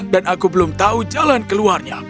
dan aku belum tahu jalan keluarnya